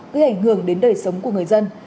cứ ảnh hưởng đến đời sống của người dân